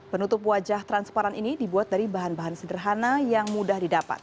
penutup wajah transparan ini dibuat dari bahan bahan sederhana yang mudah didapat